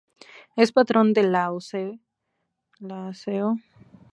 Es patrón de La Seo de Urgel y del Valle del Aneo.